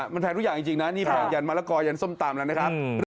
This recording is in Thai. มันแพงทุกอย่างจริงนะนี่แพงยันมะละกอยันส้มตำแล้วนะครับ